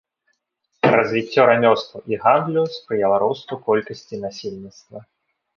Развіццё рамёстваў і гандлю спрыяла росту колькасці насельніцтва.